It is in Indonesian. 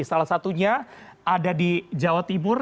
salah satunya ada di jawa timur